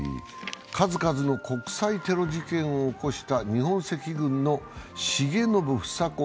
数々の国際テロ事件を起こした日本赤軍の重信房子